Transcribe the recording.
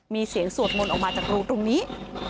มีเสียงสวดมนต์ออกมาจากรูตรงนี้